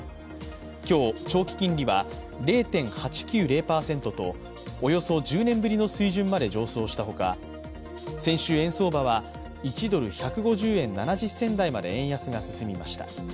今日、長期金利は０．８９０％とおよそ１０年ぶりの水準まで上昇したほか先週、円相場は１ドル＝１５０円７０銭台まで円安が進みました。